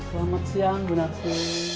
selamat siang bu nafi